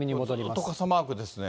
ずっと傘マークですね。